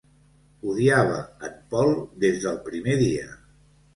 Odiava en Paul des del primer dia.